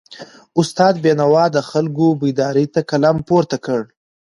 استاد بینوا د خلکو بیداری ته قلم پورته کړ.